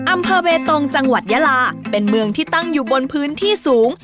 อำเภอเบตงจังหวัดยาลาเป็นเมืองที่ตั้งอยู่บนพื้นที่สูง